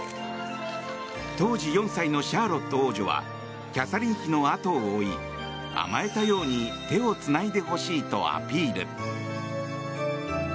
当時４歳のシャーロット王女はキャサリン妃のあとを追い甘えたように手をつないでほしいとアピール。